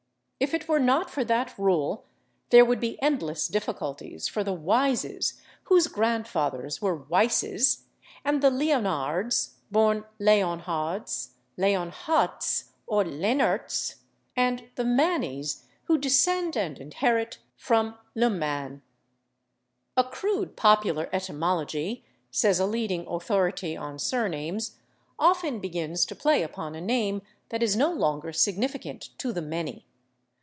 If it were not for that rule there would be endless difficulties for the /Wises/ whose grandfathers were /Weisses/, and the /Leonards/ born /Leonhards/, /Leonhardts/ or /Lehnerts/, and the /Manneys/ who descend and inherit from /Le Maines/. "A crude popular etymology," says a leading authority on surnames, "often begins to play upon a name that is no longer significant to the many.